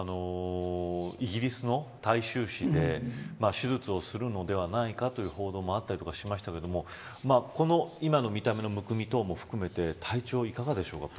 イギリスの大衆紙で手術をするのではないかという報道もあったりしましたが今の見た目のむくみ等も含めてプーチン大統領の体調はいかがでしょうか。